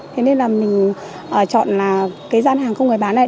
thế nên là mình chọn là cái gian hàng không người bán này